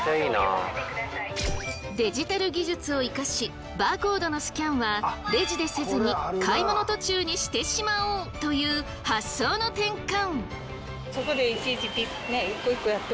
デジタル技術を生かしバーコードのスキャンはレジでせずに買い物途中にしてしまおうという発想の転換。